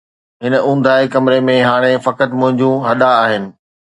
هن اونداهي ڪمري ۾ هاڻي فقط منهنجون هڏا آهن